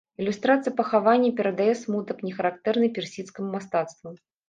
Ілюстрацыя пахавання перадае смутак, не характэрны персідскаму мастацтву.